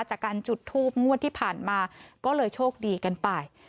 จากการจุดทูบงวดที่ผ่านมาก็เลยโชคดีกันไป